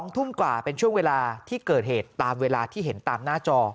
๒ทุ่มกว่าเป็นช่วงเวลาที่เกิดเหตุตามเวลาที่เห็นตามหน้าจอ